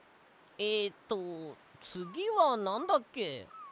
えとつぎはなんだっけ？